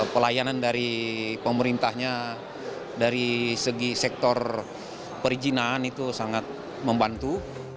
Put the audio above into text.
pelayanan dari pemerintahnya dari segi sektor perizinan itu sangat membantu